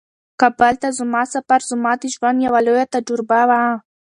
کابل ته زما سفر زما د ژوند یوه لویه تجربه وه.